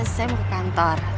saya mau ke kantor